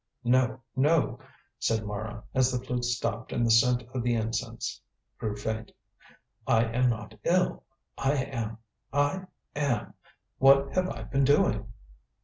"No! No!" said Mara, as the flute stopped and the scent of the incense grew faint. "I am not ill, I am I am what have I been doing?"